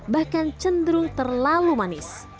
bahkan cenderung terlalu manis